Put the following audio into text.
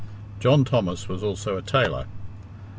John Thomas was also a tailor.